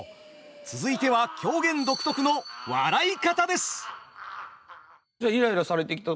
続いては狂言独特の「笑い方」です。